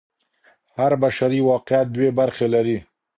هر بشري واقعیت دوې برخې لري.